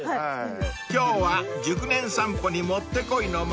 ［今日は熟年散歩にもってこいの町］